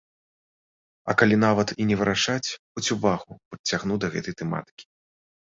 А калі нават і не вырашаць, хоць увагу прыцягну да гэтай тэматыкі.